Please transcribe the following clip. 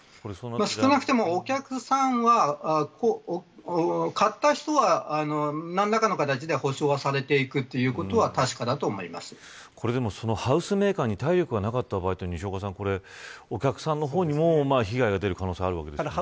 少なくとも、お客さんは買った人は何らかの形で補償はされていくということはハウスメーカーに体力がなかった場合お客さんの方にも被害が出る可能性があるわけですよね。